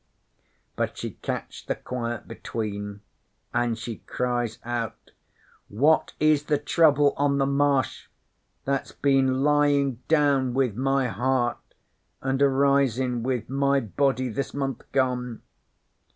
But she catched the quiet between, an' she cries out, "What is the Trouble on the Marsh that's been lying down with my heart an' arising with my body this month gone?"